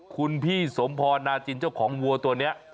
คุณพี่สมพรนาจินเจ้าของวัวตัวนี้